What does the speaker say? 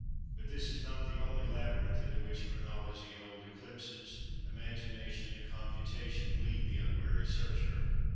But this is not the only labyrinth into which chronology and old eclipses, imagination, and computation, lead the unwary searcher."